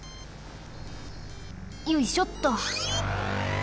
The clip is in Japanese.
よいしょっと！